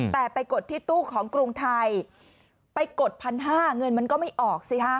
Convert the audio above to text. แต่ไปกดที่ตู้ของกรุงไทยไปกด๑๕๐๐เงินมันก็ไม่ออกสิฮะ